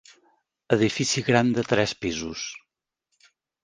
Edifici gran de tres pisos.